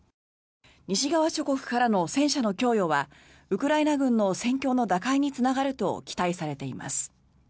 西側諸国からの戦車の供与はウクライナ軍の戦況の打開につながると期待されています。